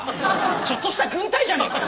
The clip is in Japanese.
ちょっとした軍隊じゃねぇかよ。